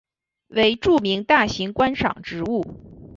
为著名大型观赏植物。